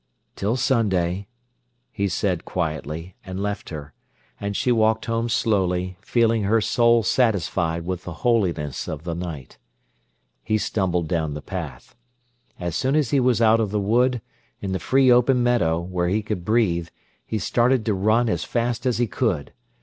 "Till Sunday," he said quietly, and left her; and she walked home slowly, feeling her soul satisfied with the holiness of the night. He stumbled down the path. And as soon as he was out of the wood, in the free open meadow, where he could breathe, he started to run as fast as he could.